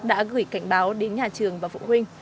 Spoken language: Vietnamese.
đã gửi cảnh báo đến nhà trường và phụ huynh